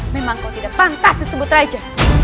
memang kau tidak pantas disebut raja